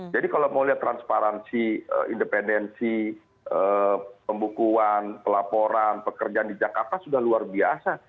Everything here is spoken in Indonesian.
jadi kalau mau lihat transparansi independensi pembukuan pelaporan pekerjaan di jakarta sudah luar biasa